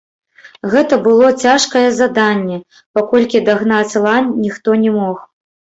Гэта было цяжкае заданне, паколькі дагнаць лань, ніхто не мог.